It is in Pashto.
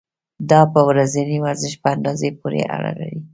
دا په ورځني ورزش په اندازې پورې اړه لري.